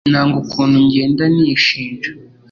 nanga ukuntu ngenda nishinja